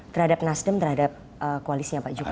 terhadap nasdem terhadap koalisinya pak jokowi